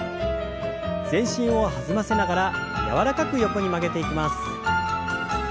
全身を弾ませながら柔らかく横に曲げていきます。